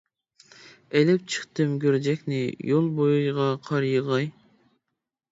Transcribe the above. ئېلىپ چىقتىم گۈرجەكنى، يول بويىغا قار يىغاي.